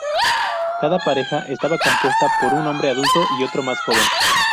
Cada pareja estaba compuesta por un hombre adulto y otro más joven.